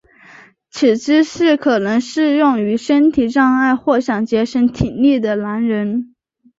此姿势可能适用于身体障碍或想节省体力的男人。